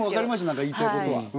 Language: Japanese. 何か言いたいことは。